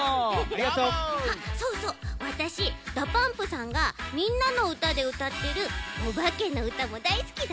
あっそうそうわたしＤＡＰＵＭＰさんが「みんなのうた」でうたってるおばけのうたもだいすきなんだち。